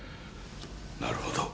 なるほど。